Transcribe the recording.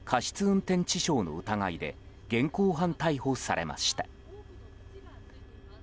運転致傷の疑いで現行犯逮捕されました。